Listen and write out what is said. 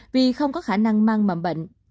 vì không có khả năng mang mầm bệnh